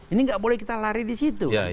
ini nggak boleh kita lari di situ